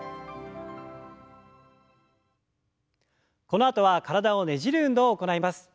このあとは体をねじる運動を行います。